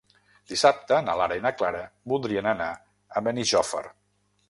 Dissabte na Lara i na Clara voldrien anar a Benijòfar.